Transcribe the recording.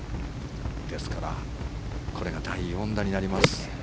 ですからこれが第４打になります。